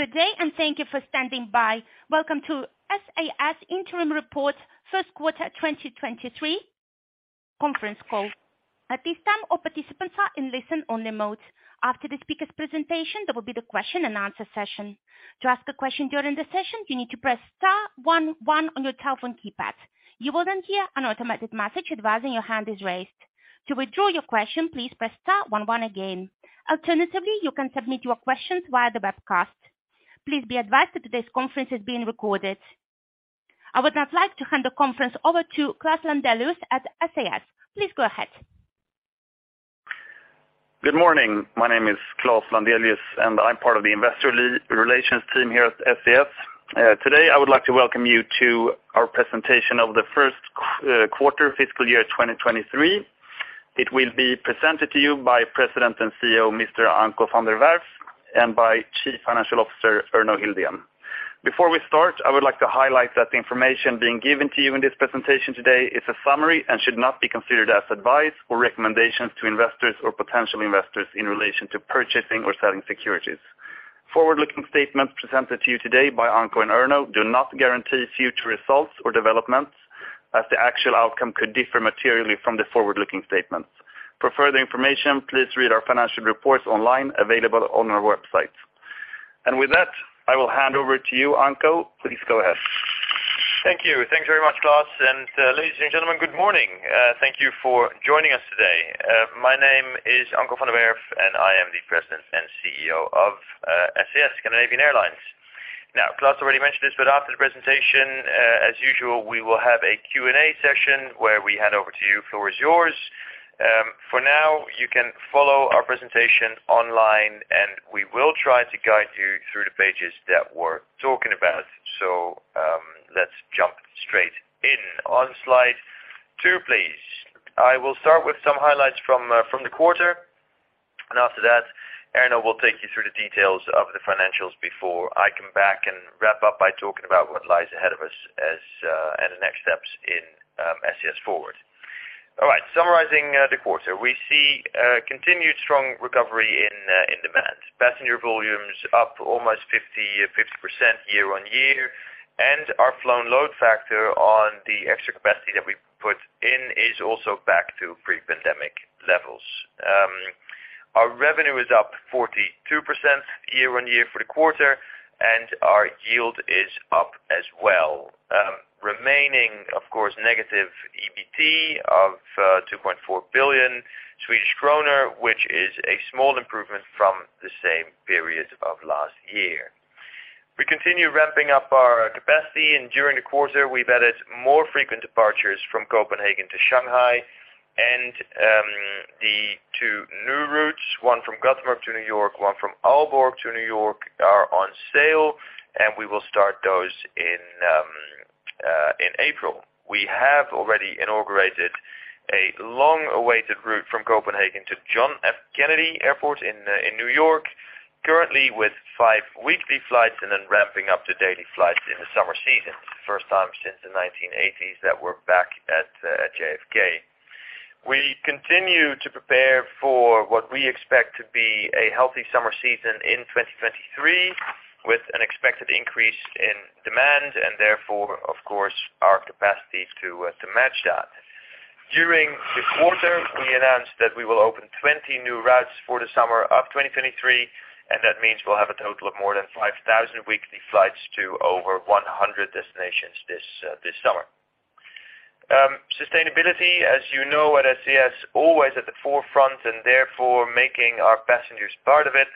Good day, and thank you for standing by. Welcome to SAS Interim Report First Quarter 2023 Conference Call. At this time, all participants are in listen only mode. After the speaker's presentation, there will be the question and answer session. To ask a question during the session, you need to press star one one on your telephone keypad. You will then hear an automatic message advising your hand is raised. To withdraw your question, please press star one one again. Alternatively, you can submit your questions via the webcast. Please be advised that today's conference is being recorded. I would now like to hand the conference over to Klaus Landelius at SAS. Please go ahead. Good morning. My name is Klaus Landelius, and I'm part of the investor relations team here at SAS. Today, I would like to welcome you to our presentation of the first quarter fiscal year 2023. It will be presented to you by President and CEO, Mr. Anko van der Werff, and by Chief Financial Officer Erno Hildén. Before we start, I would like to highlight that the information being given to you in this presentation today is a summary and should not be considered as advice or recommendations to investors or potential investors in relation to purchasing or selling securities. Forward-looking statements presented to you today by Anko and Erno do not guarantee future results or developments as the actual outcome could differ materially from the forward-looking statements. For further information, please read our financial reports online available on our website. With that, I will hand over to you, Anko. Please go ahead. Thank you. Thanks very much, Klaus. Ladies and gentlemen, good morning. Thank you for joining us today. My name is Anko van der Werff, and I am the President and CEO of SAS Scandinavian Airlines. Now Klaus already mentioned this, but after the presentation, as usual, we will have a Q&A session where we hand over to you. Floor is yours. For now, you can follow our presentation online, and we will try to guide you through the pages that we're talking about. Let's jump straight in. On slide two, please. I will start with some highlights from the quarter, and after that, Erno will take you through the details of the financials before I come back and wrap up by talking about what lies ahead of us as and the next steps in SAS FORWARD. All right. Summarizing the quarter. We see continued strong recovery in demand. Passenger volume is up almost 50% year-on-year, our flown load factor on the extra capacity that we put in is also back to pre-pandemic levels. Our revenue is up 42% year-on-year for the quarter, and our yield is up as well. Remaining, of course, negative EBIT of 2.4 billion Swedish kronor, which is a small improvement from the same period of last year. We continue ramping up our capacity. During the quarter, we've added more frequent departures from Copenhagen to Shanghai. The two new routes, one from Gothenburg to New York, one from Aalborg to New York, are on sale, and we will start those in April. We have already inaugurated a long-awaited route from Copenhagen to John F. Kennedy Airport in New York, currently with five weekly flights and then ramping up to daily flights in the summer season. First time since the 1980s that we're back at JFK. We continue to prepare for what we expect to be a healthy summer season in 2023, with an expected increase in demand and therefore, of course, our capacity to match that. During the quarter, we announced that we will open 20 new routes for the summer of 2023, that means we'll have a total of more than 5,000 weekly flights to over 100 destinations this summer. Sustainability, as you know at SAS, always at the forefront and therefore making our passengers part of it.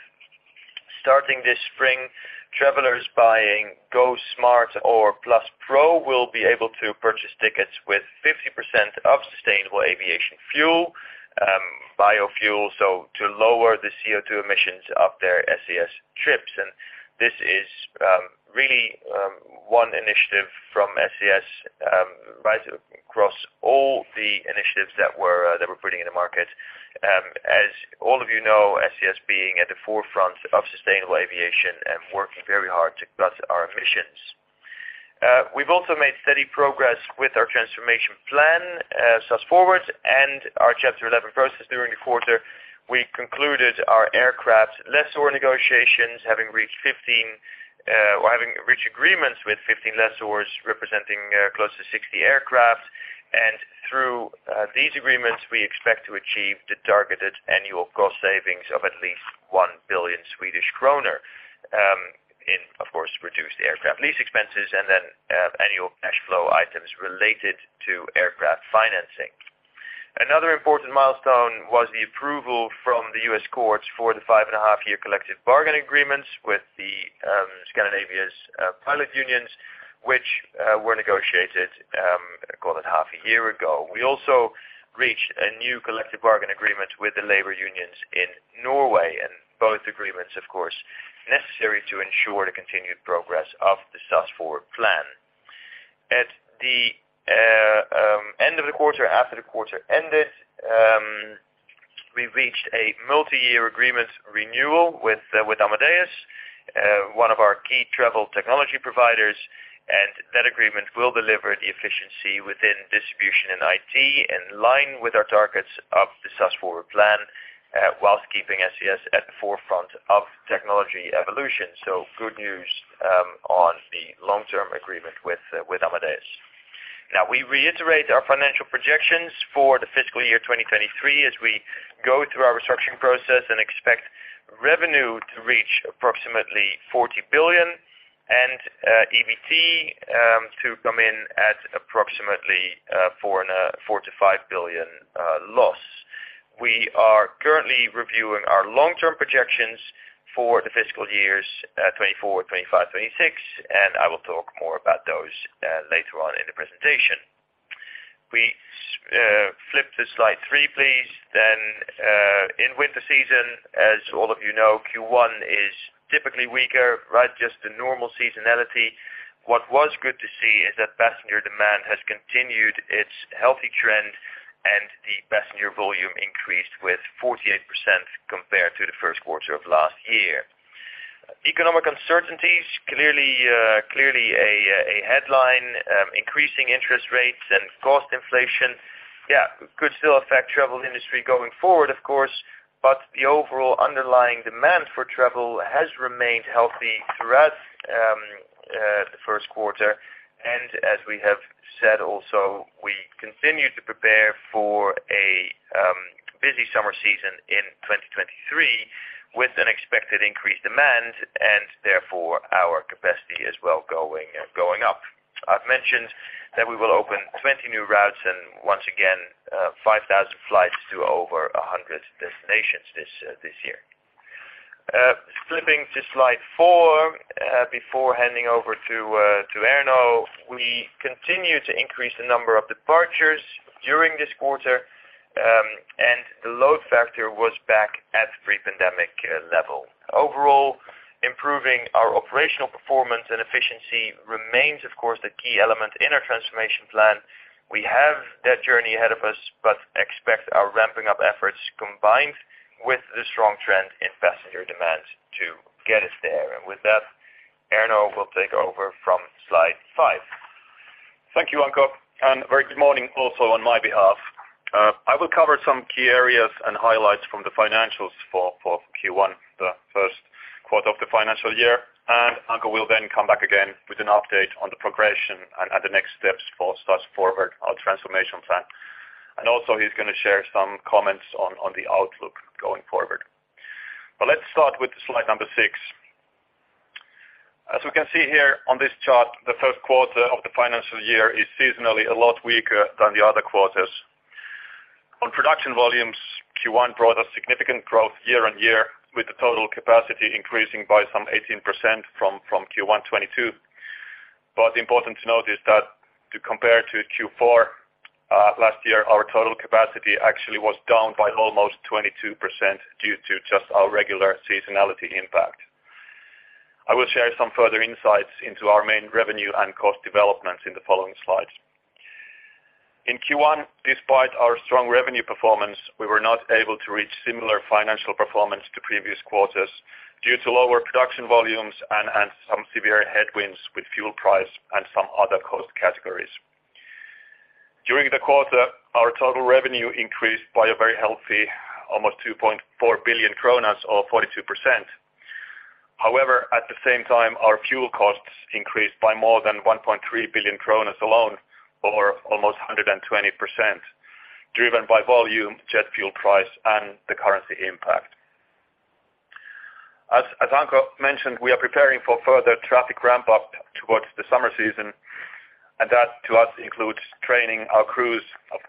Starting this spring, travelers buying Go Smart or Plus Pro will be able to purchase tickets with 50% of sustainable aviation fuel, biofuel, so to lower the CO2 emissions of their SAS trips. This is really one initiative from SAS right across all the initiatives that we're putting in the market. As all of you know, SAS being at the forefront of sustainable aviation and working very hard to cut our emissions. We've also made steady progress with our transformation plan, SAS FORWARD, and our Chapter 11 process during the quarter. We concluded our aircraft lessor negotiations, having reached 15 or having reached agreements with 15 lessors representing close to 60 aircraft. Through these agreements, we expect to achieve the targeted annual cost savings of at least 1 billion Swedish kronor in, of course, reduced aircraft lease expenses and then annual cash flow items related to aircraft financing. Another important milestone was the approval from the U.S. courts for the 5.5-year collective bargaining agreements with the Scandinavian pilot unions, which were negotiated, call it half a year ago. We also reached a new collective bargaining agreement with the labor unions in Norway, and both agreements, of course, necessary to ensure the continued progress of the SAS FORWARD plan. At the end of the quarter, after the quarter ended, we reached a multiyear agreement renewal with Amadeus, one of our key travel technology providers, and that agreement will deliver the efficiency within distribution and IT in line with our targets of the SAS FORWARD plan, whilst keeping SAS at the forefront of technology evolution. Good news on the long-term agreement with Amadeus. We reiterate our financial projections for the fiscal year 2023 as we go through our restructuring process and expect revenue to reach approximately 40 billion and EBIT to come in at approximately 4 billion-5 billion loss. We are currently reviewing our long-term projections for the fiscal years 2024, 2025, 2026, and I will talk more about those later on in the presentation. Flip to slide three, please. In winter season, as all of you know, Q1 is typically weaker, right? Just the normal seasonality. What was good to see is that passenger demand has continued its healthy trend, and the passenger volume increased with 48% compared to the first quarter of last year. Economic uncertainties, clearly a headline, increasing interest rates and cost inflation, yeah, could still affect travel industry going forward, of course, but the overall underlying demand for travel has remained healthy throughout the first quarter. As we have said also, we continue to prepare for a busy summer season in 2023 with an expected increased demand and therefore our capacity as well going up. I've mentioned that we will open 20 new routes and once again, 5,000 flights to ove`r 100 destinations this year. Flipping to slide four, before handing over to Erno Hildén, we continue to increase the number of departures during this quarter, and the load factor was back at pre-pandemic level. Overall, improving our operational performance and efficiency remains of course, the key element in our transformation plan. We have that journey ahead of us, but expect our ramping up efforts combined with the strong trend in passenger demand to get us there. With that, Erno Hildén will take over from slide five. Thank you, Anko, and a very good morning also on my behalf. I will cover some key areas and highlights from the financials for Q1, the first quarter of the financial year. Anko will then come back again with an update on the progression and the next steps for SAS FORWARD, our transformation plan. Also he's gonna share some comments on the outlook going forward. Let's start with slide number six. As we can see here on this chart, the first quarter of the financial year is seasonally a lot weaker than the other quarters. On production volumes, Q1 brought a significant growth year-over-year with the total capacity increasing by some 18% from Q1 2022. Important to note is that to compare to Q4 last year, our total capacity actually was down by almost 22% due to just our regular seasonality impact. I will share some further insights into our main revenue and cost developments in the following slides. In Q1, despite our strong revenue performance, we were not able to reach similar financial performance to previous quarters due to lower production volumes and some severe headwinds with fuel price and some other cost categories. During the quarter, our total revenue increased by a very healthy almost 2.4 billion kronor or 42%. At the same time, our fuel costs increased by more than 1.3 billion kronor alone or almost 120%, driven by volume, jet fuel price and the currency impact. As Anko mentioned, we are preparing for further traffic ramp up towards the summer season. That to us includes training our crews of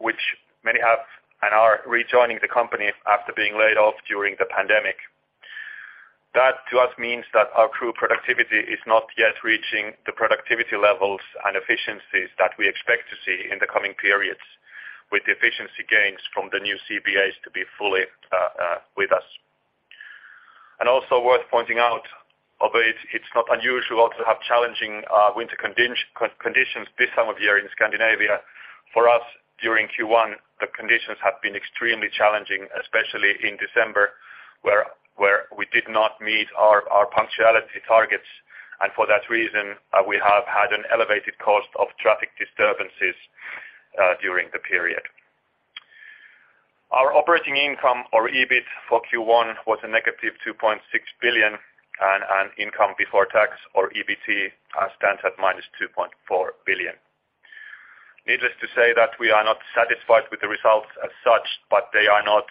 which many have and are rejoining the company after being laid off during the pandemic. That to us means that our crew productivity is not yet reaching the productivity levels and efficiencies that we expect to see in the coming periods with efficiency gains from the new CPAs to be fully with us. Also worth pointing out, although it's not unusual to have challenging winter conditions this time of year in Scandinavia, for us during Q1, the conditions have been extremely challenging, especially in December, where we did not meet our punctuality targets. For that reason, we have had an elevated cost of traffic disturbances during the period. Our operating income or EBIT for Q1 was a negative 2.6 billion, and income before tax or EBIT stands at -2.4 billion. Needless to say that we are not satisfied with the results as such, but they are not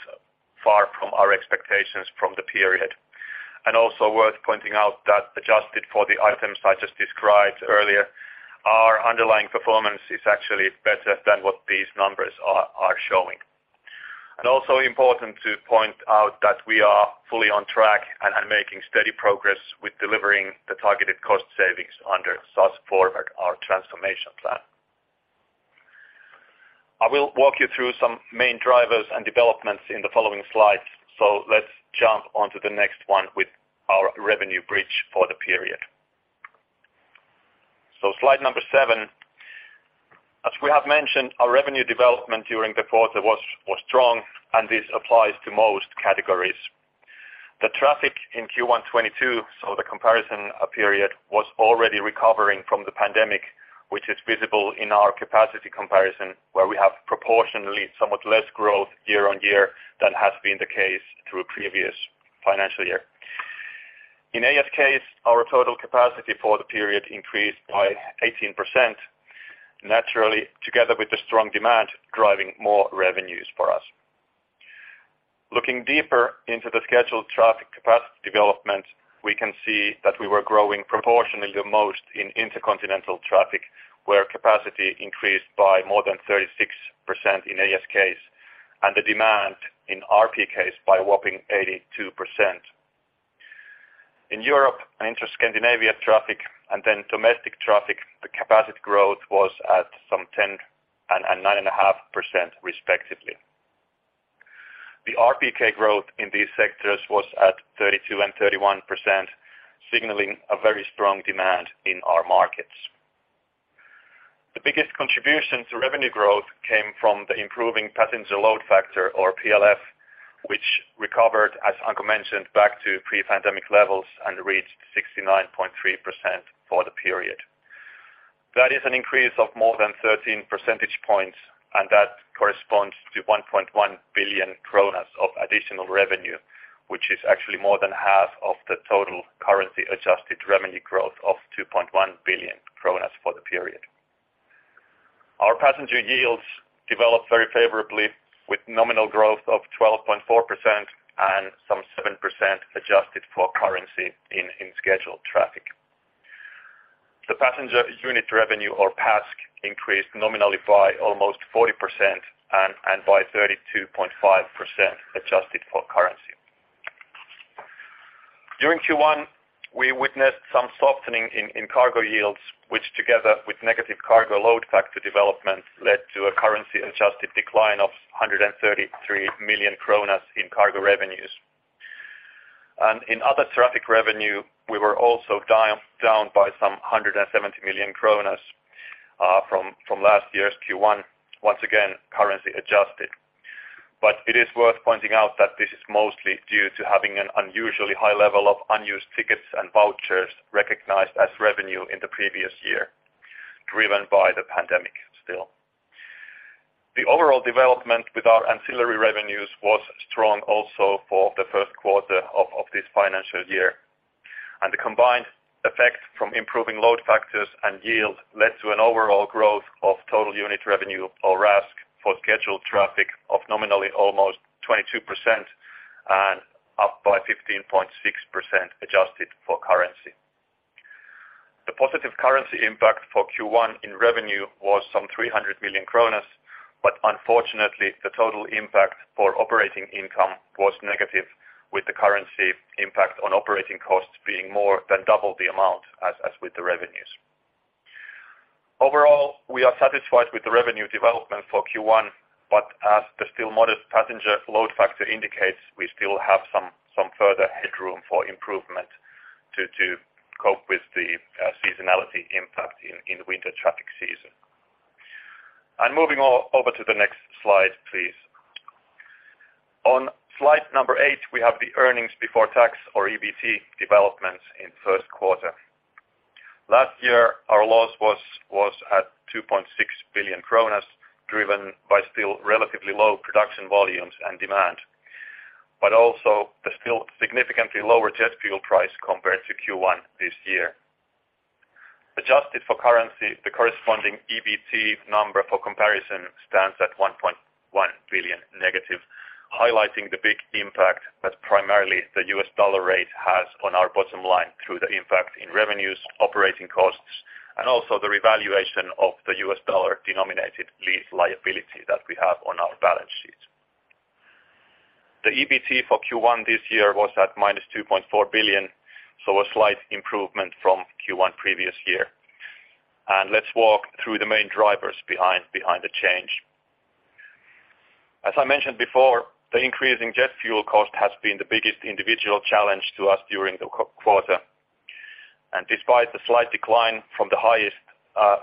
far from our expectations from the period. Also worth pointing out that adjusted for the items I just described earlier, our underlying performance is actually better than what these numbers are showing. Also important to point out that we are fully on track and making steady progress with delivering the targeted cost savings under SAS FORWARD, our transformation plan. I will walk you through some main drivers and developments in the following slides. Let's jump onto the next one with our revenue bridge for the period. Slide number seven. As we have mentioned, our revenue development during the quarter was strong, and this applies to most categories. The traffic in Q1 2022, so the comparison period, was already recovering from the pandemic, which is visible in our capacity comparison, where we have proportionally somewhat less growth year-on-year than has been the case through previous financial year. In ASKs, our total capacity for the period increased by 18%, naturally, together with the strong demand driving more revenues for us. Looking deeper into the scheduled traffic capacity development, we can see that we were growing proportionally the most in intercontinental traffic, where capacity increased by more than 36% in ASKs, and the demand in RPKs by whopping 82%. In Europe and Inter-Scandinavian traffic, and then domestic traffic, the capacity growth was at some 10% and 9.5%, respectively. The RPK growth in these sectors was at 32% and 31%, signaling a very strong demand in our markets. The biggest contribution to revenue growth came from the improving passenger load factor or PLF, which recovered, as Anko mentioned, back to pre-pandemic levels and reached 69.3% for the period. That is an increase of more than 13 percentage points, and that corresponds to 1.1 billion kronor of additional revenue, which is actually more than half of the total currency adjusted revenue growth of 2.1 billion kronor for the period. Our passenger yields developed very favorably with nominal growth of 12.4% and some 7% adjusted for currency in scheduled traffic. The passenger unit revenue or PASK increased nominally by almost 40% and by 32.5% adjusted for currency. During Q1, we witnessed some softening in cargo yields, which together with negative cargo load factor development, led to a currency adjusted decline of 133 million kronor in cargo revenues. In other traffic revenue, we were also down by some 170 million kronor from last year's Q1, once again, currency adjusted. It is worth pointing out that this is mostly due to having an unusually high level of unused tickets and vouchers recognized as revenue in the previous year, driven by the pandemic still. The overall development with our ancillary revenues was strong also for the first quarter of this financial year. The combined effect from improving load factors and yield led to an overall growth of total unit revenue or RASK for scheduled traffic of nominally almost 22% and up by 15.6% adjusted for currency. The positive currency impact for Q1 in revenue was some 300 million kronor, unfortunately, the total impact for operating income was negative, with the currency impact on operating costs being more than double the amount as with the revenues. Overall, we are satisfied with the revenue development for Q1, as the still modest passenger load factor indicates, we still have some further headroom for improvement to cope with the seasonality impact in winter traffic season. Moving over to the next slide, please. On slide eight, we have the earnings before tax or EBIT developments in first quarter. Last year, our loss was at 2.6 billion kronor, driven by still relatively low production volumes and demand, but also the still significantly lower jet fuel price compared to Q1 this year. Adjusted for currency, the corresponding EBIT number for comparison stands at 1.1 billion negative, highlighting the big impact that primarily the U.S. dollar rate has on our bottom line through the impact in revenues, operating costs, and also the revaluation of the U.S. dollar denominated lease liability that we have on our balance sheet. The EBIT for Q1 this year was at minus 2.4 billion, so a slight improvement from Q1 previous-year. Let's walk through the main drivers behind the change. As I mentioned before, the increase in jet fuel cost has been the biggest individual challenge to us during the quarter. Despite the slight decline from the highest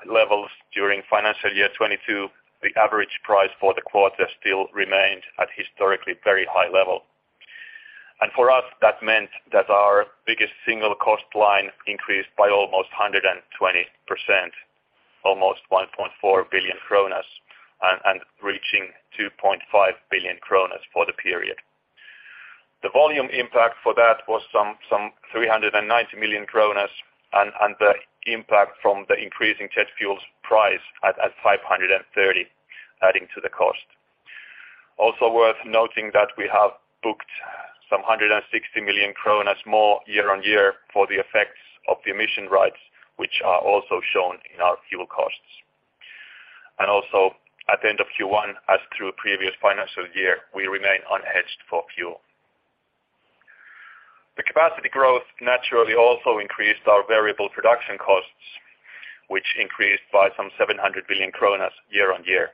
levels during financial year 2022, the average price for the quarter still remained at historically very high level. For us, that meant that our biggest single cost line increased by almost 120%, almost 1.4 billion kronor, reaching 2.5 billion kronor for the period. The volume impact for that was 390 million kronor, the impact from the increase in jet fuel price at 530 million adding to the cost. Also worth noting that we have booked 160 million kronor more year-on-year for the effects of the emission rights, which are also shown in our fuel costs. Also at the end of Q1, as through previous financial year, we remain unhedged for fuel. The capacity growth naturally also increased our variable production costs, which increased by some 700 billion kronor year on year.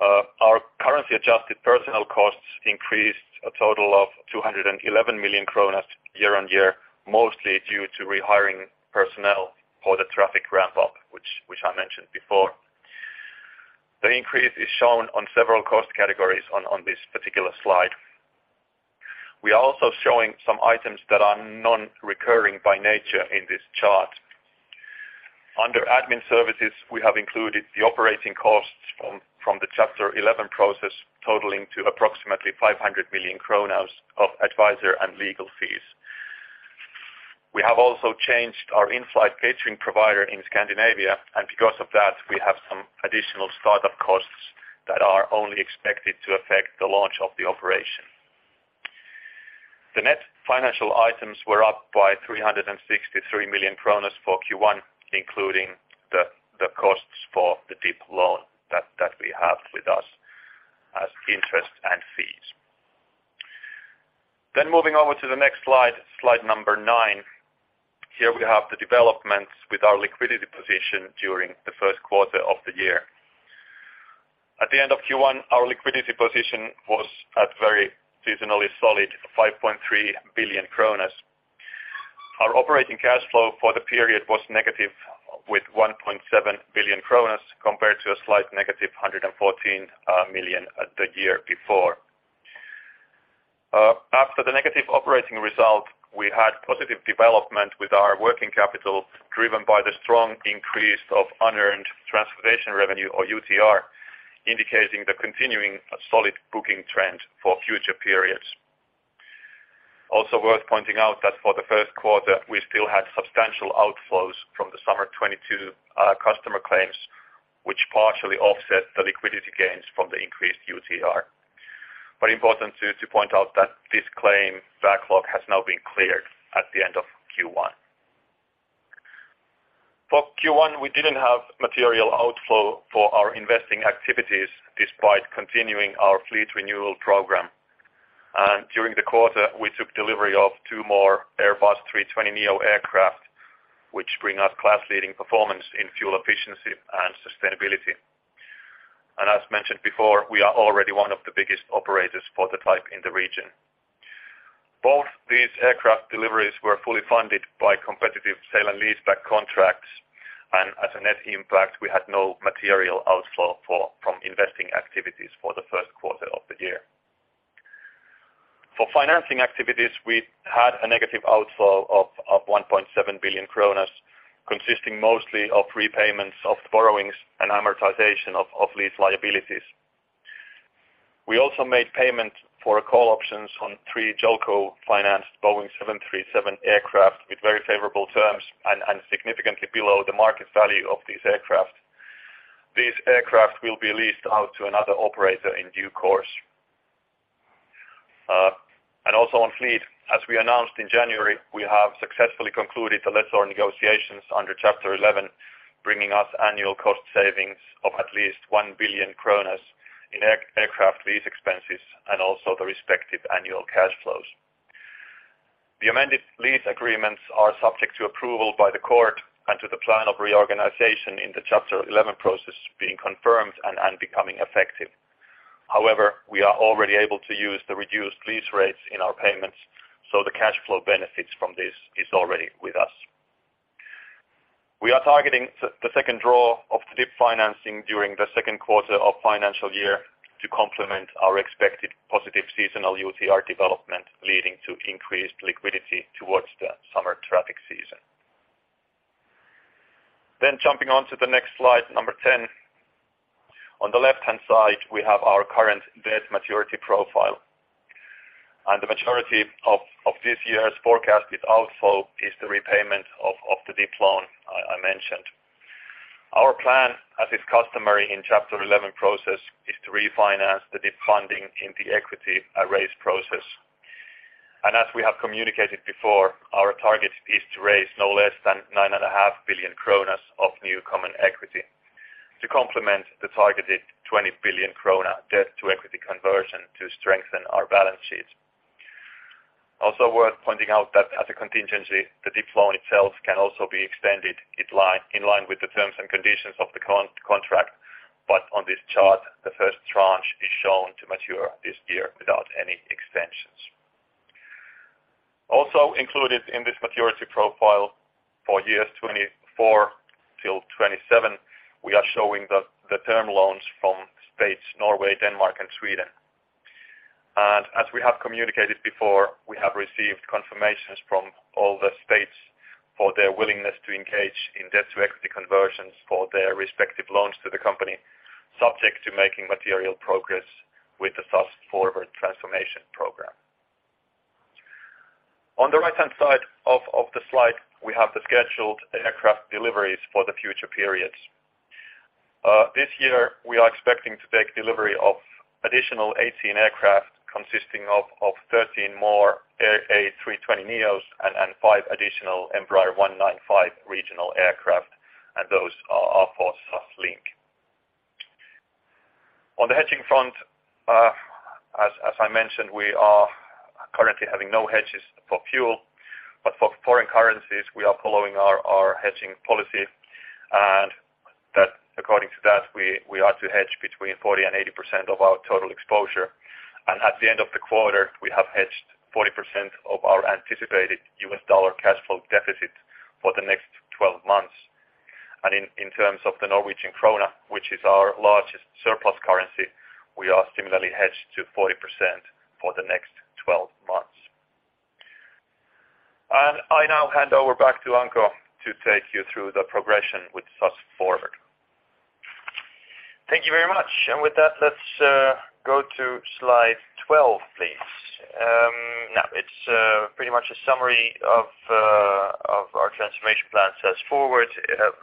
Our currency adjusted personnel costs increased a total of 211 million kronor year on year, mostly due to rehiring personnel for the traffic ramp up, which I mentioned before. The increase is shown on several cost categories on this particular slide. We are also showing some items that are non-recurring by nature in this chart. Under admin services, we have included the operating costs from the Chapter 11 process totaling to approximately 500 million of advisor and legal fees. We have also changed our in-flight catering provider in Scandinavia, and because of that, we have some additional start-up costs that are only expected to affect the launch of the operation. The net financial items were up by 363 million for Q1, including the costs for the DIP loan that we have with us as interest and fees. Moving over to the next slide number nine. Here we have the developments with our liquidity position during the first quarter of the year. At the end of Q1, our liquidity position was at very seasonally solid 5.3 billion kronor. Our operating cash flow for the period was negative with 1.7 billion kronor compared to a slight negative 114 million the year before. After the negative operating result, we had positive development with our working capital, driven by the strong increase of unearned transportation revenue or UTR, indicating the continuing solid booking trend for future periods. Also worth pointing out that for the first quarter we still had substantial outflows from the summer 2022 customer claims, which partially offset the liquidity gains from the increased UTR. Very important to point out that this claim backlog has now been cleared at the end of Q1. For Q1, we didn't have material outflow for our investing activities despite continuing our fleet renewal program. During the quarter, we took delivery of two more Airbus A320neo aircraft, which bring us class-leading performance in fuel efficiency and sustainability. As mentioned before, we are already one of the biggest operators for the type in the region. Both these aircraft deliveries were fully funded by competitive sale and leaseback contracts, and as a net impact, we had no material outflow from investing activities for the first quarter of the year. For financing activities, we had a negative outflow of 1.7 billion kronor, consisting mostly of repayments of borrowings and amortization of lease liabilities. We also made payment for call options on three JOLCO financed Boeing 737 aircraft with very favorable terms and significantly below the market value of these aircraft. These aircraft will be leased out to another operator in due course. Also on fleet, as we announced in January, we have successfully concluded the lessor negotiations under Chapter 11, bringing us annual cost savings of at least 1 billion kronor in aircraft lease expenses and also the respective annual cash flows. The amended lease agreements are subject to approval by the court and to the plan of reorganization in the Chapter 11 process being confirmed and becoming effective. However, we are already able to use the reduced lease rates in our payments, so the cash flow benefits from this is already with us. We are targeting the second draw of the DIP financing during the second quarter of financial year to complement our expected positive seasonal UTR development, leading to increased liquidity towards the summer traffic season. Jumping on to the next slide, number 10. On the left-hand side, we have our current debt maturity profile. The maturity of this year's forecasted outflow is the repayment of the DIP loan I mentioned. Our plan, as is customary in Chapter 11 process, is to refinance the DIP funding in the equity raise process. As we have communicated before, our target is to raise no less than 9.5 billion kronor of new common equity to complement the targeted 20 billion krona debt-to-equity conversion to strengthen our balance sheet. Also worth pointing out that as a contingency, the DIP loan itself can also be extended in line with the terms and conditions of the contract, but on this chart, the first tranche is shown to mature this year without any extensions. Also included in this maturity profile for years 2024-2027, we are showing the term loans from states Norway, Denmark, and Sweden. As we have communicated before, we have received confirmations from all the states for their willingness to engage in debt-to-equity conversions for their respective loans to the company, subject to making material progress with the SAS FORWARD transformation program. On the right-hand side of the slide, we have the scheduled aircraft deliveries for the future periods. This year we are expecting to take delivery of additional 18 aircraft consisting of 13 more Airbus A320neos and 5 additional Embraer E195 regional aircraft, and those are for SAS Link. On the hedging front, as I mentioned, we are currently having no hedges for fuel, but for foreign currencies, we are following our hedging policy, and that according to that, we are to hedge between 40% and 80% of our total exposure. At the end of the quarter, we have hedged 40% of our anticipated US dollar cash flow deficit for the next 12 months. In terms of the Norwegian krona, which is our largest surplus currency, we are similarly hedged to 40% for the next 12 months. I now hand over back to Anko to take you through the progression with SAS FORWARD. Thank you very much. With that, let's go to slide 12, please. It's pretty much a summary of our transformation plan SAS FORWARD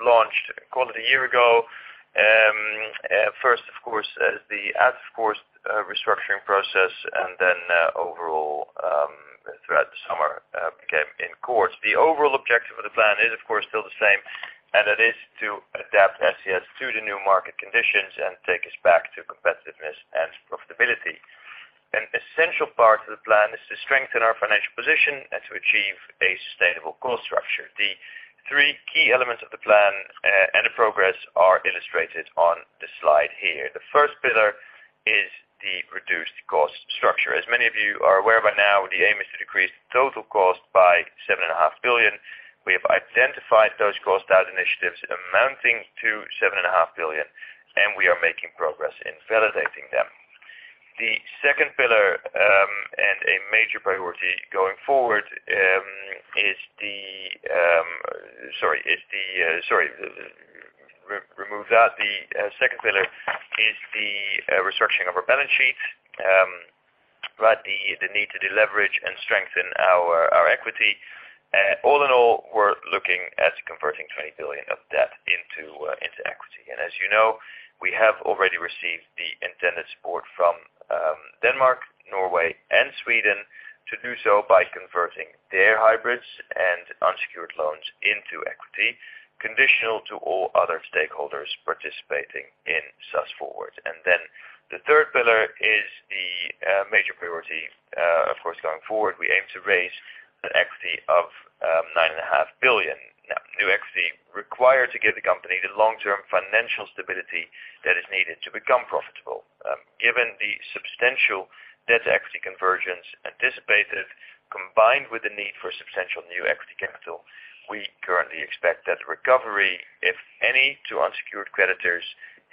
launched a quarter year ago. First, of course, the as of course restructuring process then overall throughout the summer came in course. The overall objective of the plan is of course still the same, that is to adapt SAS to the new market conditions and take us back to competitiveness and profitability. An essential part of the plan is to strengthen our financial position and to achieve a sustainable cost structure. The three key elements of the plan and the progress are illustrated on the slide here. The first pillar is the reduced cost structure. As many of you are aware by now, the aim is to decrease total cost by 7.5 billion. We have identified those cost out initiatives amounting to 7.5 billion. We are making progress in validating them. The second pillar is the restructuring of our balance sheet, right? The need to deleverage and strengthen our equity. All in all, we're looking at converting 20 billion of debt into equity. As you know, we have already received the intended support from Denmark, Norway and Sweden to do so by converting their hybrids and unsecured loans into equity, conditional to all other stakeholders participating in SAS FORWARD. The third pillar is the major priority. Of course, going forward, we aim to raise the equity of 9.5 billion. Now, new equity required to give the company the long-term financial stability that is needed to become profitable. Given the substantial debt equity conversions anticipated, combined with the need for substantial new equity capital, we currently expect that recovery, if any, to unsecured creditors,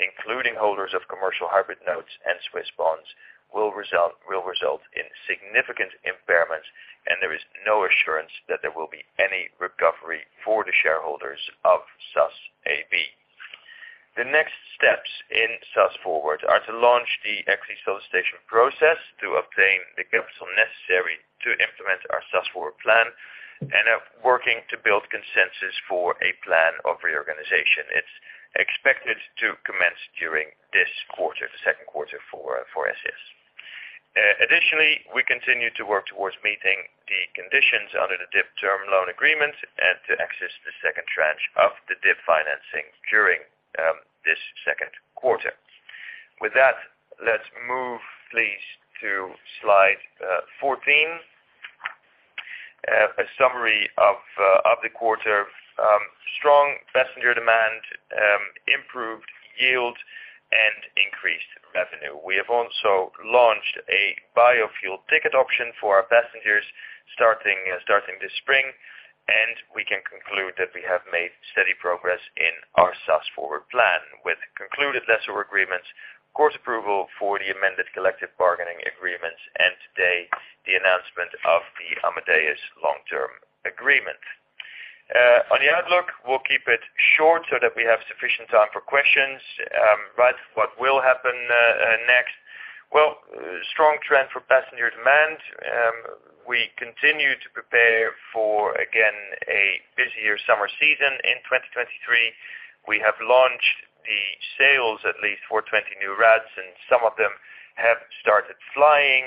including holders of commercial hybrid notes and Swiss bonds, will result in significant impairment and there is no assurance that there will be any recovery for the shareholders of SAS AB. The next steps in SAS Forward are to launch the equity solicitation process to obtain the capital necessary to implement our SAS Forward plan and are working to build consensus for a plan of reorganization. It's expected to commence during this quarter, the second quarter for SAS. Additionally, we continue to work towards meeting the conditions under the DIP term loan agreement and to access the second tranche of the DIP financing during this second quarter. With that, let's move please to slide 14. A summary of the quarter. Strong passenger demand, improved yield and increased revenue. We have also launched a biofuel ticket option for our passengers starting this spring. We can conclude that we have made steady progress in our SAS FORWARD plan with concluded lessor agreements, court approval for the amended collective bargaining agreements and today the announcement of the Amadeus long-term agreement. On the outlook, we'll keep it short so that we have sufficient time for questions. What will happen next? Well, strong trend for passenger demand. We continue to prepare for again a busier summer season in 2023. We have launched the sales at least for 20 new routes and some of them have started flying.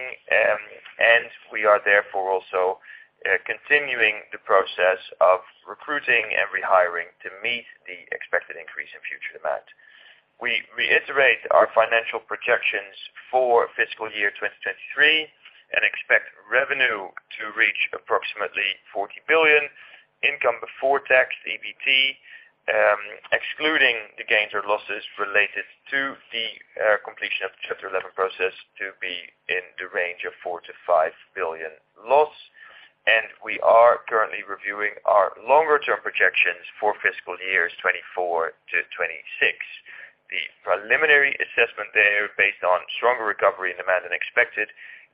We are therefore also continuing the process of recruiting and rehiring to meet the expected increase in future demand. We reiterate our financial projections for fiscal year 2023 and expect revenue to reach approximately 40 billion, income before tax, EBIT, excluding the gains or losses related to the completion of the Chapter 11 process, to be in the range of 4 billion-5 billion loss. We are currently reviewing our longer term projections for fiscal years 2024-2026. The preliminary assessment there, based on stronger recovery in demand than expected,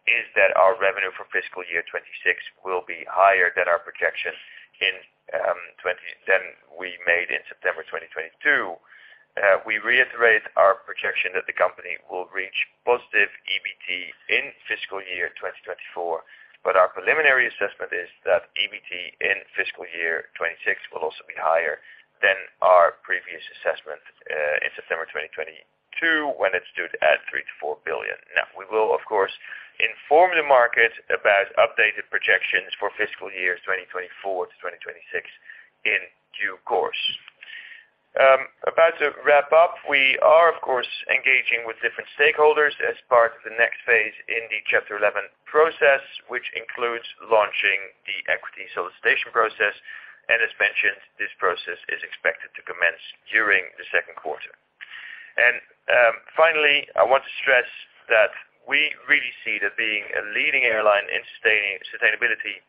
is that our revenue for fiscal year 2026 will be higher than our projection than we made in September 2022. We reiterate our projection that the company will reach positive EBIT in fiscal year 2024. Our preliminary assessment is that EBIT in fiscal year 2026 will also be higher than our previous assessment in September 2022 when it stood at 3 billion-4 billion. Now we will of course inform the market about updated projections for fiscal years 2024 to 2026 in due course. About to wrap up. We are of course engaging with different stakeholders as part of the next phase in the Chapter 11 process, which includes launching the equity solicitation process. As mentioned, this process is expected to commence during the second quarter. Finally, I want to stress that we really see that being a leading airline in sustainability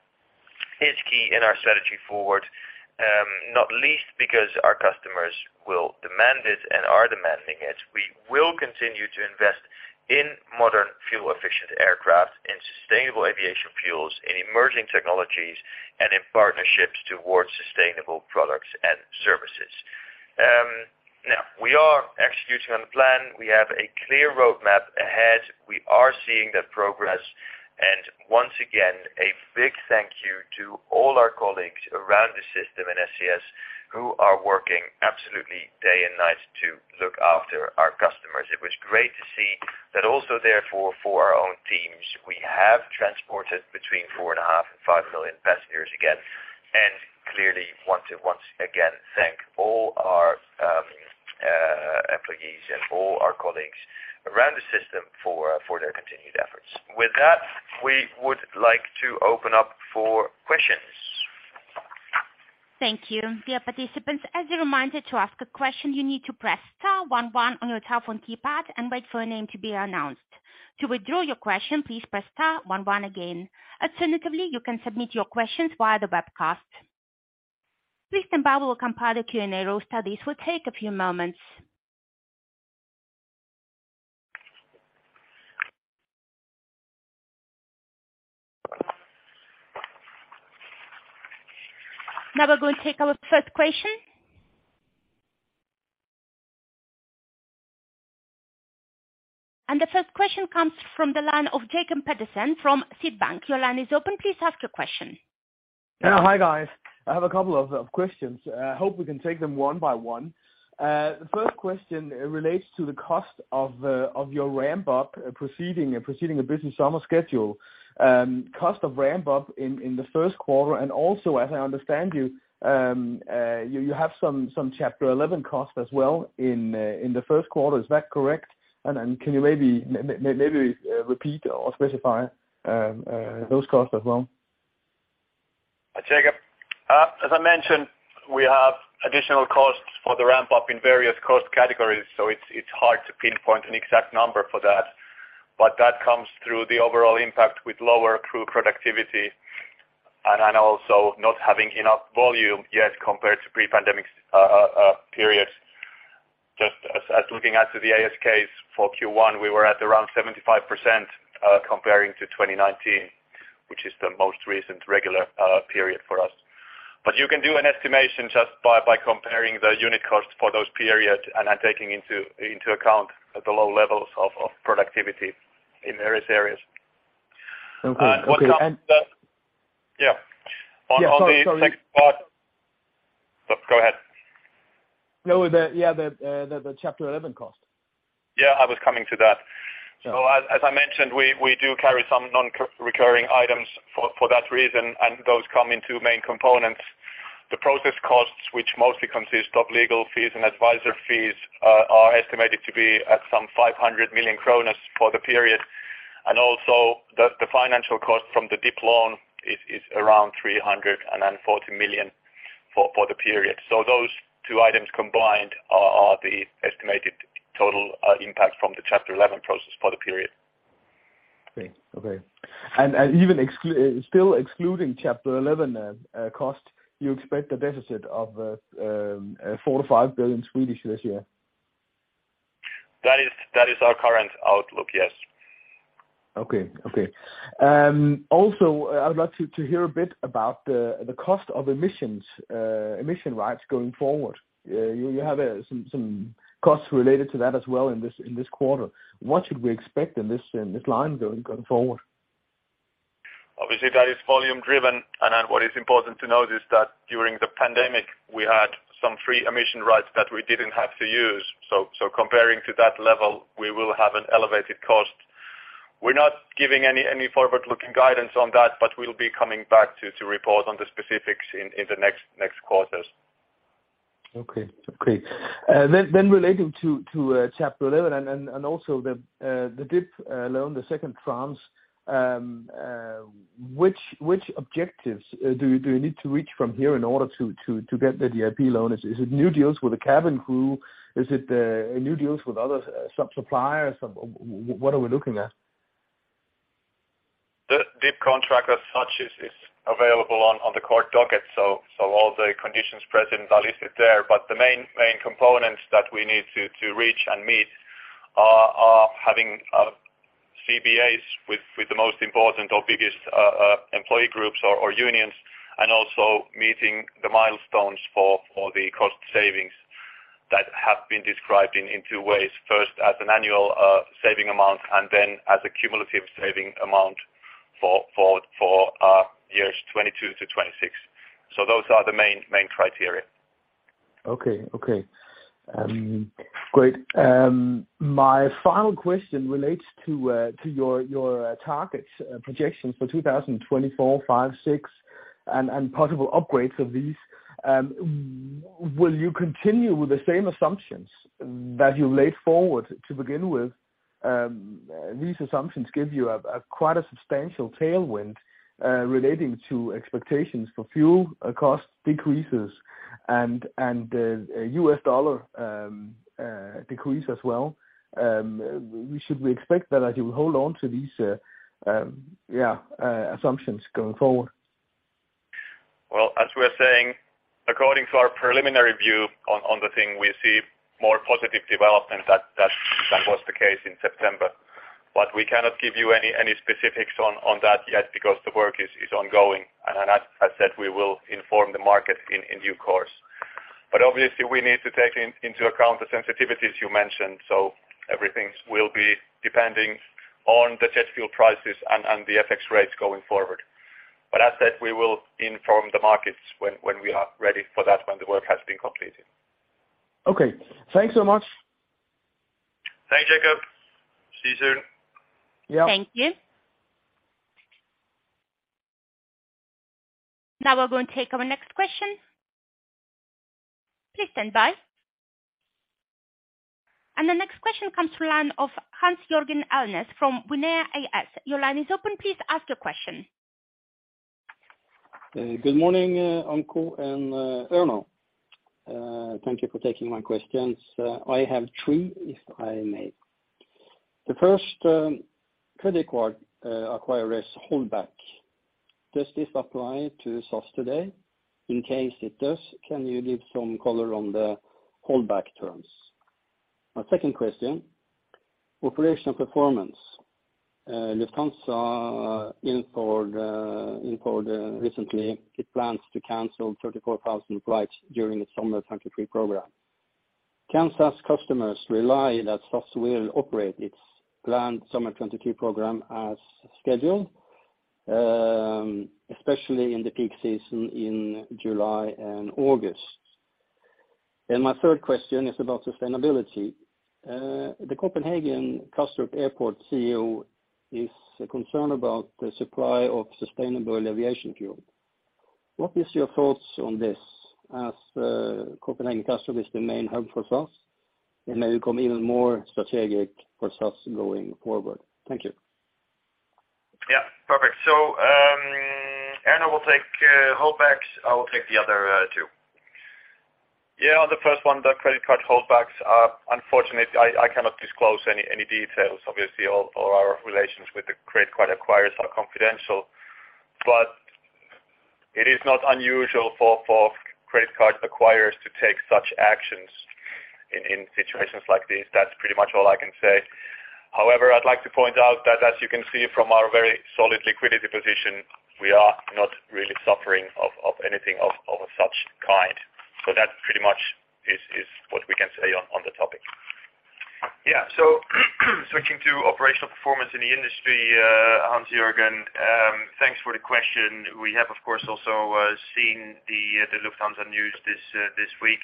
is key in our strategy forward, not least because our customers will demand it and are demanding it. We will continue to invest in modern fuel efficient aircraft, in sustainable aviation fuels, in emerging technologies, and in partnerships towards sustainable products and services. Now we are executing on the plan. We have a clear roadmap ahead. We are seeing that progress. Once again, a big thank you to all our colleagues around the system in SCS who are working absolutely day and night to look after our customers. It was great to see that also therefore for our own teams, we have transported between 4.5 and 5 million passengers again. Clearly want to once again, thank all our employees and all our colleagues around the system for their continued efforts. With that, we would like to open up for questions. Thank you. Dear participants, as a reminder to ask a question, you need to press star one one on your telephone keypad and wait for a name to be announced. To withdraw your question, please press star one one again. Alternatively, you can submit your questions via the webcast. Please stand by while we compile the Q&A roster. This will take a few moments. Now we're going to take our first question. The first question comes from the line of Jacob Pedersen from Sydbank. Your line is open. Please ask your question. Yeah. Hi, guys. I have a couple of questions. I hope we can take them one by one. The first question relates to the cost of your ramp-up proceeding the busy summer schedule. Cost of ramp-up in the first quarter, and also, as I understand you have some Chapter 11 costs as well in the first quarter. Is that correct? Can you maybe repeat or specify those costs as well? Hi, Jacob. As I mentioned, we have additional costs for the ramp-up in various cost categories, so it's hard to pinpoint an exact number for that. That comes through the overall impact with lower crew productivity and also not having enough volume yet compared to pre-pandemic periods. Just as looking at to the ASK for Q1, we were at around 75% comparing to 2019, which is the most recent regular period for us. You can do an estimation just by comparing the unit cost for those periods and then taking into account the low levels of productivity in various areas. Okay. Okay. Yeah. Yeah. Sorry. On the second part. Go ahead. No. Yeah, the Chapter 11 cost. Yeah, I was coming to that. Sure. As I mentioned, we do carry some non-recurring items for that reason, and those come in two main components. The process costs, which mostly consist of legal fees and advisor fees, are estimated to be at some 500 million kronor for the period. Also the financial cost from the DIP loan is around 340 million for the period. Those two items combined are the estimated total impact from the Chapter 11 process for the period. Okay. Okay. Still excluding Chapter 11 cost, you expect a deficit of 4 billion-5 billion this year? That is our current outlook, yes. Okay, okay. Also, I would like to hear a bit about the cost of emissions, emission rights going forward. You have some costs related to that as well in this quarter. What should we expect in this line going forward? Obviously, that is volume driven. What is important to note is that during the pandemic, we had some free emission rights that we didn't have to use. Comparing to that level, we will have an elevated cost. We're not giving any forward-looking guidance on that, but we'll be coming back to report on the specifics in the next quarters. Okay. Okay. Relating to Chapter 11 and also the DIP loan, the second tranche, which objectives do you need to reach from here in order to get the DIP loan? Is it new deals with the cabin crew? Is it new deals with other sub-suppliers? What are we looking at? The DIP contract as such is available on the court docket. All the conditions present are listed there. The main components that we need to reach and meet are having CBAs with the most important or biggest employee groups or unions, and also meeting the milestones for the cost savings that have been described in two ways. First, as an annual saving amount, and then as a cumulative saving amount for years 2022-2026. Those are the main criteria. Okay, okay. Great. My final question relates to your targets, projections for 2024, 2025, 2026, and possible upgrades of these. Will you continue with the same assumptions that you laid forward to begin with? These assumptions give you a quite a substantial tailwind relating to expectations for fuel cost decreases and a US dollar decrease as well. We should we expect that as you hold on to these assumptions going forward? Well, as we are saying, according to our preliminary view on the thing, we see more positive development that than was the case in September. We cannot give you any specifics on that yet because the work is ongoing. As I said, we will inform the market in due course. Obviously we need to take into account the sensitivities you mentioned. Everything will be depending on the jet fuel prices and the FX rates going forward. As said, we will inform the markets when we are ready for that, when the work has been completed. Okay. Thanks so much. Thanks, Jacob. See you soon. Yeah. Thank you. Now we're going to take our next question. Please stand by. The next question comes to line of Hans Jørgen Elnæs from WinAir AS. Your line is open. Please ask your question. Good morning, Anko and Erno Hildén. Thank you for taking my questions. I have 3, if I may. The first, credit card acquirers holdback. Does this apply to SAS today? In case it does, can you give some color on the holdback terms? My second question, operational performance. Lufthansa recently it plans to cancel 34,000 flights during the summer 2023 program. Can SAS customers rely that SAS will operate its planned summer 2022 program as scheduled, especially in the peak season in July and August? My third question is about sustainability. The Copenhagen Kastrup Airport CEO is concerned about the supply of sustainable aviation fuel. What is your thoughts on this as Copenhagen Kastrup is the main hub for SAS, and may become even more strategic for SAS going forward? Thank you. Yeah, perfect. Erno will take holdbacks. I will take the other two. Yeah. On the first one, the credit card holdbacks are unfortunate. I cannot disclose any details. Obviously, all our relations with the credit card acquirers are confidential, but it is not unusual for credit card acquirers to take such actions in situations like this. That's pretty much all I can say. However, I'd like to point out that as you can see from our very solid liquidity position, we are not really suffering of anything of such kind. That pretty much is what we can say on the topic. Switching to operational performance in the industry, Hans-Jørgen, thanks for the question. We have, of course, also seen the Lufthansa news this week.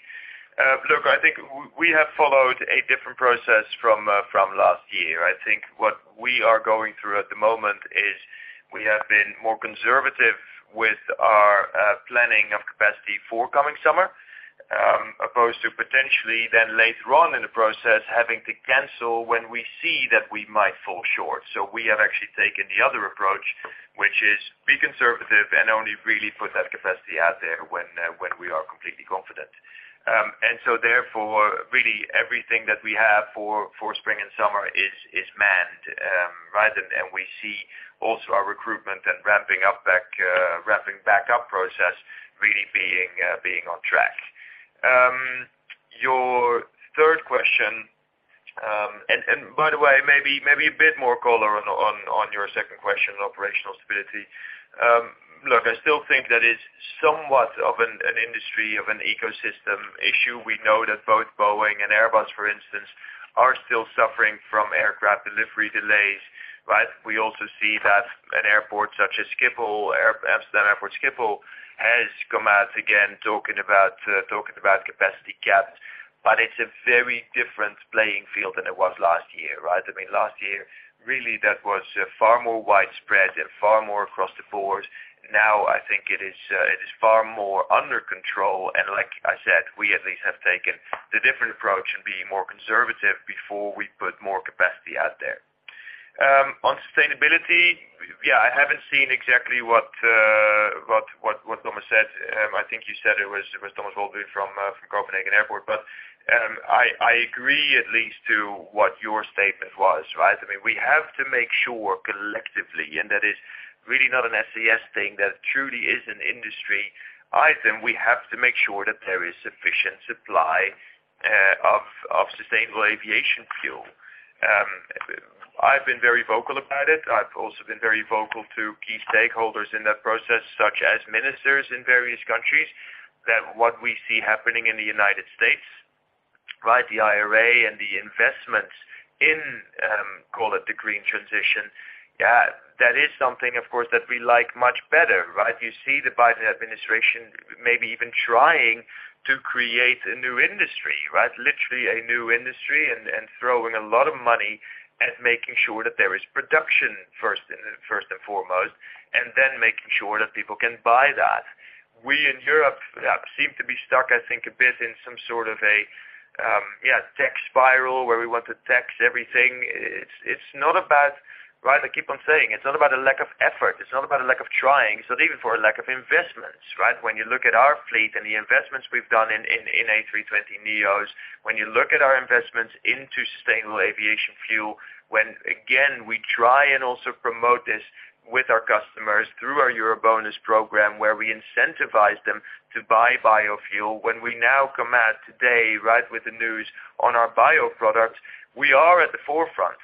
Look, I think we have followed a different process from last year. I think what we are going through at the moment is we have been more conservative with our planning of capacity for coming summer, opposed to potentially then later on in the process having to cancel when we see that we might fall short. We have actually taken the other approach, which is be conservative and only really put that capacity out there when we are completely confident. Therefore, really everything that we have for spring and summer is manned, right? We see also our recruitment and ramping up back, ramping back up process really being on track. Your third question, and by the way, maybe a bit more color on your second question, operational stability. Look, I still think that it's somewhat of an industry of an ecosystem issue. We know that both Boeing and Airbus, for instance, are still suffering from aircraft delivery delays, right? We also see that an airport such as Amsterdam Airport Schiphol, has come out again talking about talking about capacity gaps. It's a very different playing field than it was last year, right? I mean, last year, really that was far more widespread and far more across the board. Now, I think it is far more under control. Like I said, we at least have taken the different approach and being more conservative before we put more capacity out there. On sustainability, yeah, I haven't seen exactly what Thomas said. I think you said it was Thomas Woldbye from Copenhagen Airport. I agree at least to what your statement was, right? I mean, we have to make sure collectively, that is really not an SAS thing, that truly is an industry item. We have to make sure that there is sufficient supply of sustainable aviation fuel. I've been very vocal about it. I've also been very vocal to key stakeholders in that process, such as ministers in various countries, that what we see happening in the United States, right? The IRA and the investments in, call it the green transition. Yeah, that is something, of course, that we like much better, right? You see the Biden administration maybe even trying to create a new industry, right? Literally a new industry and throwing a lot of money at making sure that there is production first and foremost, and then making sure that people can buy that. We in Europe seem to be stuck, I think, a bit in some sort of a, yeah, tax spiral where we want to tax everything. It's not about, right? I keep on saying, it's not about a lack of effort. It's not about a lack of trying. It's not even for a lack of investments, right? When you look at our fleet and the investments we've done in A320neos, when you look at our investments into sustainable aviation fuel, when again, we try and also promote this with our customers through our EuroBonus program, where we incentivize them to buy biofuel. When we now come out today, right, with the news on our bioproduct, we are at the forefront.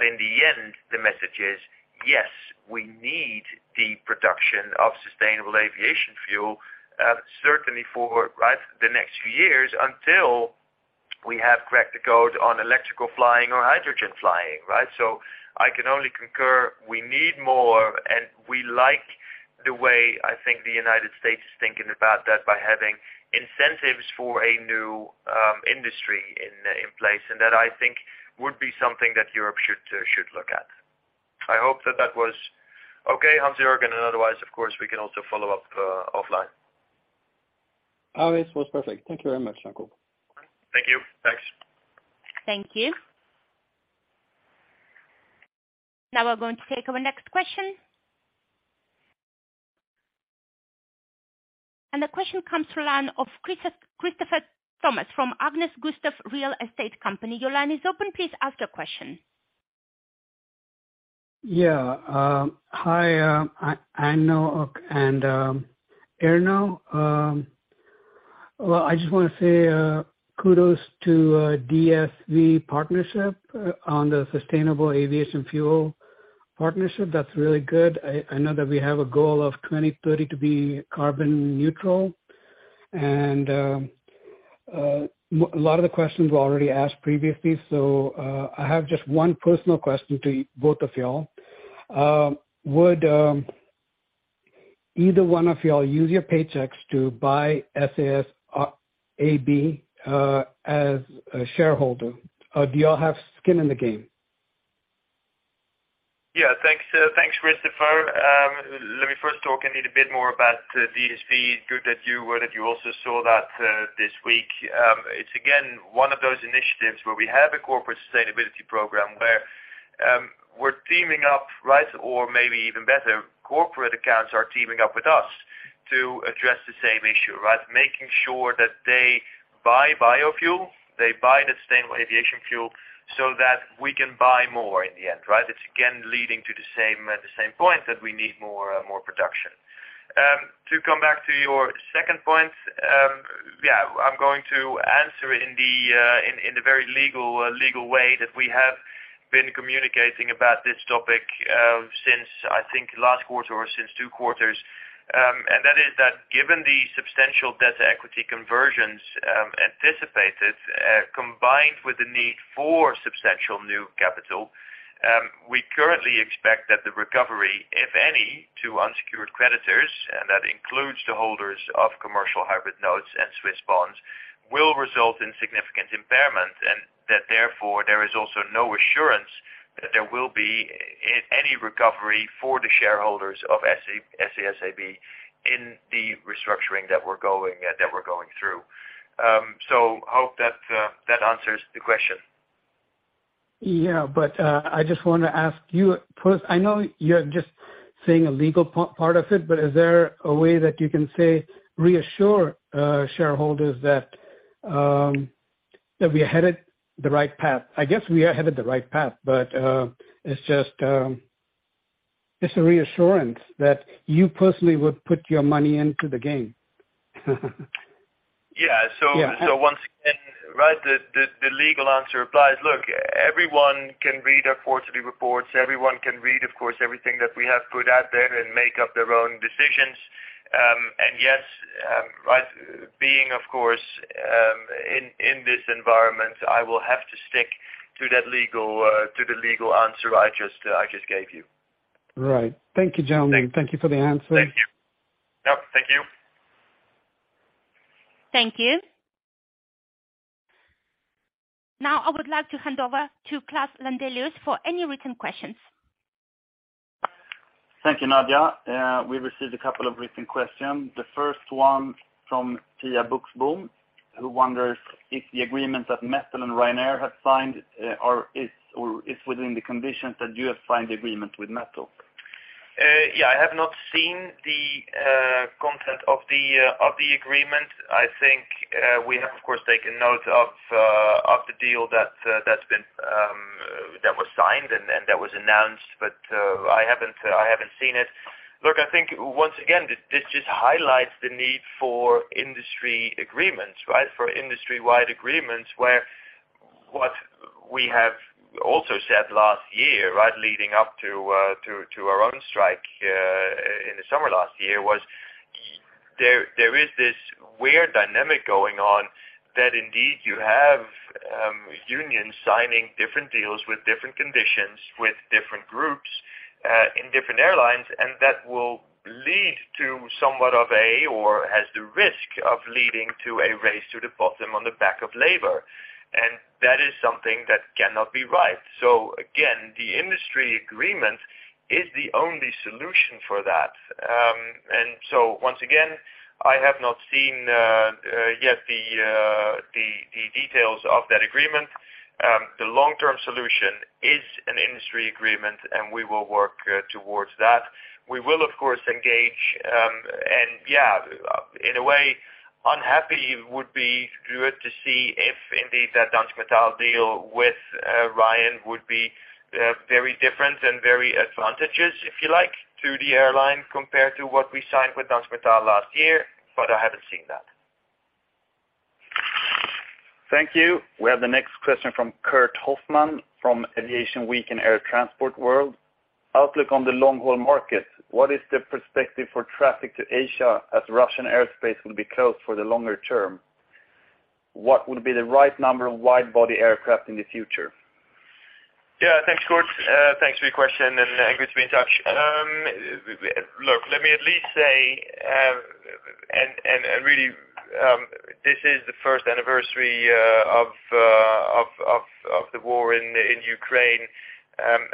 In the end, the message is, yes, we need the production of sustainable aviation fuel, certainly for, right, the next few years until we have cracked the code on electrical flying or hydrogen flying, right? I can only concur we need more, and we like the way I think the United States is thinking about that by having incentives for a new industry in place. That I think would be something that Europe should look at. I hope that that was okay, Hans-Jørgen, otherwise, of course, we can also follow up, offline. Oh, it was perfect. Thank you very much, Raquel. Thank you. Thanks. Thank you. Now we're going to take our next question. The question comes from line of Christophe Thoma from Akelius. Your line is open. Please ask your question. Yeah. Hi, Anko and Erno. Well, I just wanna say kudos to DSV partnership on the sustainable aviation fuel partnership. That's really good. I know that we have a goal of 2030 to be carbon neutral. A lot of the questions were already asked previously, I have just one personal question to both of y'all. Would either one of y'all use your paychecks to buy SAS AB as a shareholder? Do y'all have skin in the game? Yeah. Thanks, Christophe. Let me first talk a little bit more about DSV. Good that you, well, that you also saw that this week. It's again, one of those initiatives where we have a corporate sustainability program where we're teaming up, right, or maybe even better, corporate accounts are teaming up with us to address the same issue, right? Making sure that they buy biofuel, they buy the sustainable aviation fuel so that we can buy more in the end, right? It's again, leading to the same, the same point that we need more production. To come back to your second point, yeah, I'm going to answer in the in the very legal way that we have been communicating about this topic since I think last quarter or since two quarters. That is that given the substantial debt equity conversions, anticipated, combined with the need for substantial new capital, we currently expect that the recovery, if any, to unsecured creditors, and that includes the holders of commercial hybrid notes and Swiss Bonds, will result in significant impairment, and that therefore, there is also no assurance that there will be any recovery for the shareholders of SAS AB in the restructuring that we're going through. Hope that answers the question. I just wanna ask you, I know you're just saying a legal part of it, but is there a way that you can say reassure shareholders that we are headed the right path? I guess we are headed the right path, but it's just a reassurance that you personally would put your money into the game. Yeah. Yeah. Once again, right, the legal answer applies. Look, everyone can read our quarterly reports. Everyone can read, of course, everything that we have put out there and make up their own decisions. Yes, right, being, of course, in this environment, I will have to stick to that legal to the legal answer I just gave you. Right. Thank you, gentlemen. Thank- Thank you for the answer. Thank you. Yep. Thank you. Thank you. Now, I would like to hand over to Klaus Landelius for any written questions. Thank you, Nadia. We received a couple of written questions. The first one from Tia Bucksboom, who wonders if the agreement that Metal and Ryanair have signed, or is within the conditions that you have signed the agreement with Metal. Yeah, I have not seen the content of the agreement. I think we have, of course, taken note of the deal that that's been that was signed and that was announced. I haven't, I haven't seen it. Look, I think once again, this just highlights the need for industry agreements, right? For industry-wide agreements, where what we have also said last year, right, leading up to our own strike in the summer last year, was there is this weird dynamic going on that indeed you have unions signing different deals with different conditions, with different groups in different airlines, and that will lead to somewhat of a, or has the risk of leading to a race to the bottom on the back of labor. That is something that cannot be right. Again, the industry agreement is the only solution for that. Once again, I have not seen yet the details of that agreement. The long-term solution is an industry agreement, and we will work towards that. We will, of course, engage, and in a way, unhappy would be good to see if indeed that Dansk Metal deal with Ryanair would be very different and very advantageous, if you like, to the airline compared to what we signed with Dansk Metal last year, but I haven't seen that. Thank you. We have the next question from Kurt Hofmann from Aviation Week and Air Transport World. Outlook on the long-haul market, what is the perspective for traffic to Asia as Russian airspace will be closed for the longer term? What will be the right number of wide-body aircraft in the future? Yeah, thanks, Kurt. Thanks for your question, and good to be in touch. Look, let me at least say, and really, this is the first anniversary of the war in Ukraine.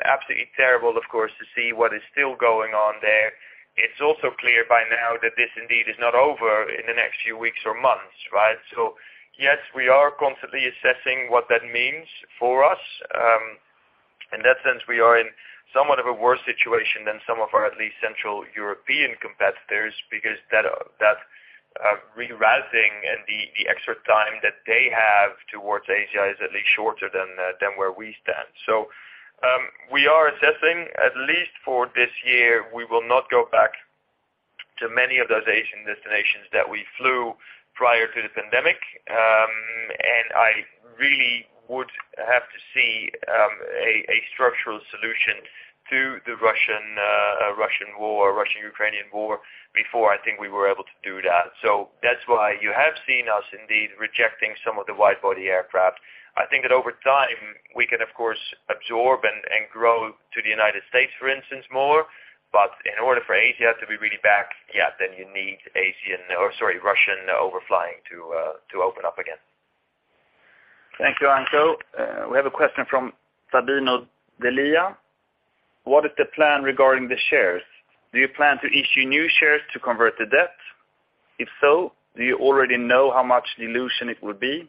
Absolutely terrible, of course, to see what is still going on there. It's also clear by now that this indeed is not over in the next few weeks or months, right? Yes, we are constantly assessing what that means for us. In that sense, we are in somewhat of a worse situation than some of our at least Central European competitors because that rerouting and the extra time that they have towards Asia is at least shorter than where we stand. We are assessing, at least for this year, we will not go back to many of those Asian destinations that we flew prior to the pandemic. And I really would have to see a structural solution to the Russian war, Russian-Ukrainian war before I think we were able to do that. That's why you have seen us indeed rejecting some of the wide-body aircraft. I think that over time, we can of course absorb and grow to the United States, for instance, more. In order for Asia to be really back, yeah, then you need Asian or, sorry, Russian overflying to open up again. Thank you, Anko. We have a question from Fabiano Delia. What is the plan regarding the shares? Do you plan to issue new shares to convert to debt? If so, do you already know how much dilution it would be?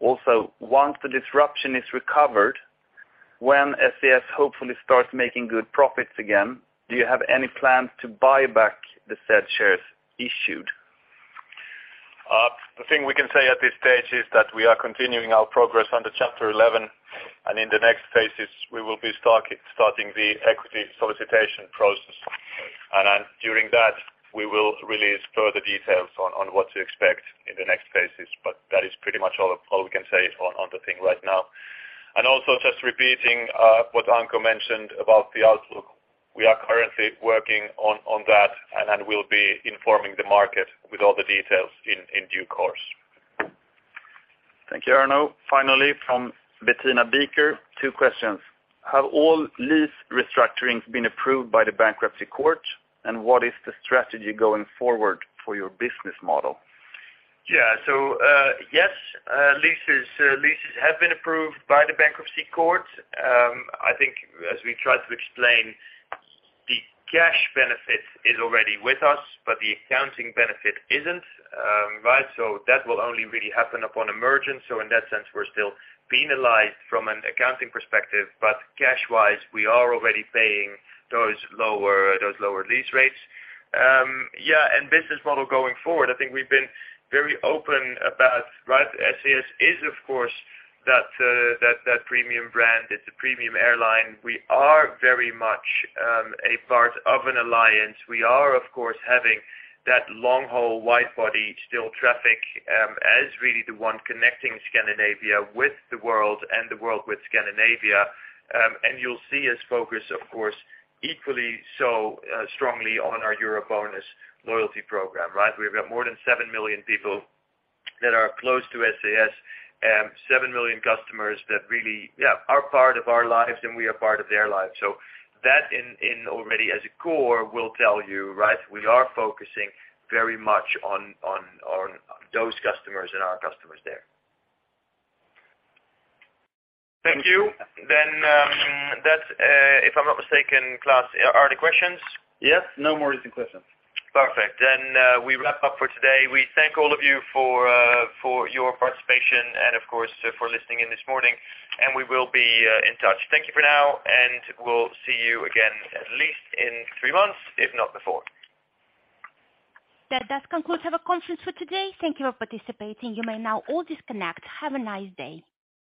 Once the disruption is recovered, when SAS hopefully starts making good profits again, do you have any plans to buy back the said shares issued? The thing we can say at this stage is that we are continuing our progress under Chapter 11, in the next phases we will be starting the equity solicitation process. During that, we will release further details on what to expect in the next phases, that is pretty much all we can say on the thing right now. Just repeating what Anko mentioned about the outlook. We are currently working on that and we'll be informing the market with all the details in due course. Thank you, Erno. Finally, from Bettina Bieker, two questions. Have all lease restructurings been approved by the bankruptcy court? What is the strategy going forward for your business model? Yes, leases have been approved by the bankruptcy court. I think as we try to explain the cash benefit is already with us, but the accounting benefit isn't. Right? That will only really happen upon emergence. In that sense, we're still penalized from an accounting perspective, but cash-wise, we are already paying those lower lease rates. Business model going forward, I think we've been very open about, right? SAS is of course that premium brand. It's a premium airline. We are very much a part of an alliance. We are of course having that long-haul wide-body still traffic as really the one connecting Scandinavia with the world and the world with Scandinavia. You'll see us focus of course equally so strongly on our EuroBonus loyalty program, right? We've got more than 7 million people that are close to SAS and 7 million customers that really, yeah, are part of our lives, and we are part of their lives. That in already as a core will tell you, right? We are focusing very much on those customers and our customers there. Thank you. That's if I'm not mistaken, Klaus, are there questions? Yes. No more recent questions. Perfect. We wrap up for today. We thank all of you for your participation and of course for listening in this morning, and we will be in touch. Thank you for now, and we'll see you again at least in three months, if not before. That does conclude our conference for today. Thank you for participating. You may now all disconnect. Have a nice day.